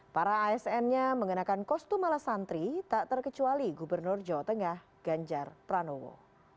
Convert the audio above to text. para asn nya mengenakan kostum ala santri tak terkecuali gubernur jawa tengah ganjar pranowo